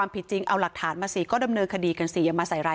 พ่อบอกว่า